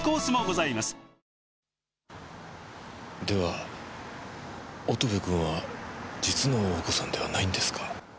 では乙部君は実のお子さんではないんですか？